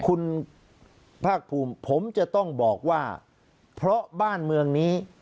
คุณภาคภูมิผมจะต้องบอกว่าเพราะบ้านเมืองนี้